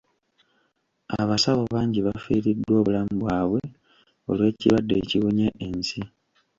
Abasawo bangi bafiiriddwa obulamu bwabwe olw'ekirwadde ekibunye ensi.